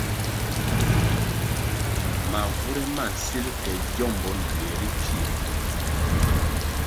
Mavure ma nsil ke giómbò ywiè ri pfie.